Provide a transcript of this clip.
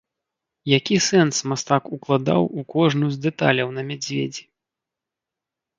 Які сэнс мастак укладаў у кожную з дэталяў на мядзведзі?